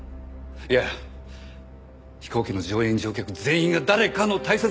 いや飛行機の乗員乗客全員が誰かの大切な人なんです！